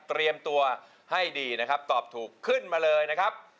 เตรียมตัวให้ดีนะครับตอบถูกขึ้นมาเลยนะครับ